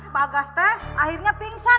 bagas teh akhirnya pingsan